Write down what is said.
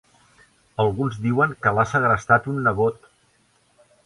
Alguns diuen que l'ha segrestat un nebot.